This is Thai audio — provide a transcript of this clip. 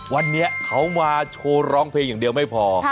วันนี้เขามาโชว์ร้องเพลงอย่างเดียวไม่พอ